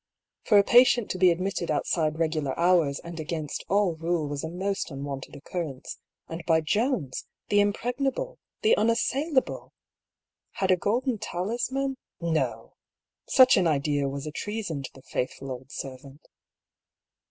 For a patient to be admitted outside regular hours and against all rule was a most unwonted occurrence, and by Jones the impregnable, the unassailable ! Had a golden talisman — No ! such an idea was a treason to the faithful old servant.